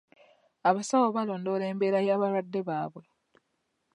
Abasawo balondoola embeera y'abalwadde baabwe.